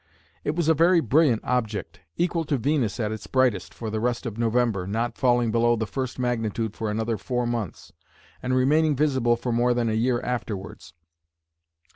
It was a very brilliant object, equal to Venus at its brightest for the rest of November, not falling below the first magnitude for another four months, and remaining visible for more than a year afterwards.